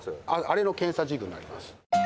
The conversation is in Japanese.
あれの検査治具になります。